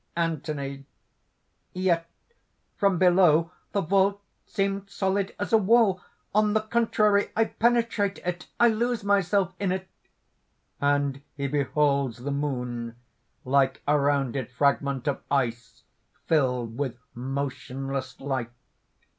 ANTHONY. "Yet from below the vault seemed solid as a wall! on the contrary I penetrate it, I lose myself in it!" (_And he beholds the moon, like a rounded fragment of ice filled with motionless light.